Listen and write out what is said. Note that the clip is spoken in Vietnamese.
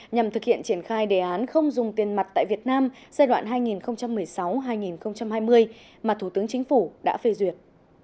nhằm thực hiện triển khai đề án không dùng tiền mặt tại việt nam giai đoạn hai nghìn một mươi sáu hai nghìn hai mươi mà thủ tướng chính phủ đã phê duyệt